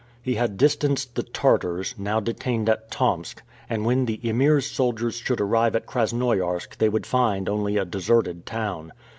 He had distanced the Tartars, now detained at Tomsk, and when the Emir's soldiers should arrive at Krasnoiarsk they would find only a deserted town.